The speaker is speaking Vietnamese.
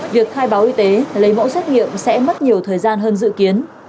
việc khai báo y tế lấy mẫu xét nghiệm sẽ mất nhiều thời gian hơn dự kiến